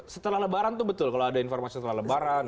setelah lebaran itu betul kalau ada informasi setelah lebaran